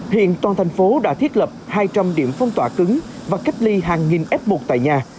hiện toàn thành phố đã thiết lập hai trăm linh điểm phong tỏa cứng và cách ly hàng nghìn f một tại nhà